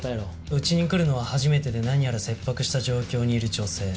うちに来るのは初めてで何やら切迫した状況にいる女性。